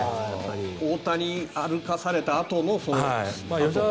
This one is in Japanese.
大谷、歩かされたあとの村上。